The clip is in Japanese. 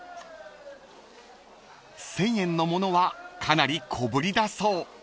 ［１，０００円のものはかなり小ぶりだそう］